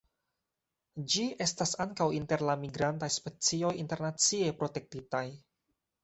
Ĝi estas ankaŭ inter la migrantaj specioj internacie protektitaj.